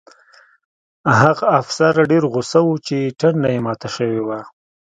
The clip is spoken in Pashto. هغه افسر ډېر غوسه و چې ټنډه یې ماته شوې وه